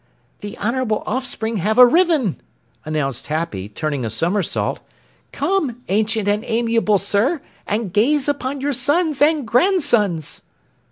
"The honorable Offspring have arriven!" announced Happy, turning a somersault. "Come, ancient and amiable Sir, and gaze upon your sons and grandsons!"